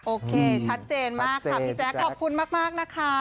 โอเคชัดเจนมากค่ะพี่แจ๊คขอบคุณมากนะคะ